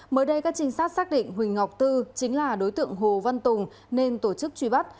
mới đây các trinh sát xác định huỳnh ngọc tư chính là đối tượng hồ văn tùng nên tổ chức truy bắt